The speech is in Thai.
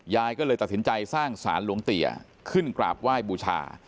ยายก็เลยตัดสินใจสร้างสารหลวงเตี๋ยขึ้นกราบไหว้บูชา